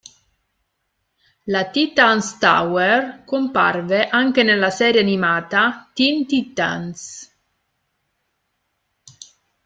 La Titans Tower comparve anche nella serie animata "Teen Titans".